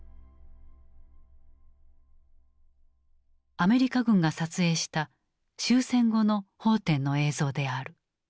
アメリカ軍が撮影した終戦後の奉天の映像である。